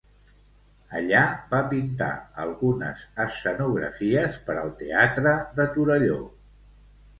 Allà va pintar algunes escenografies per al teatre de Torelló.